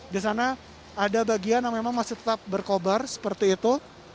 di sana ada bagian yang memang masih tetap berkobar seperti itu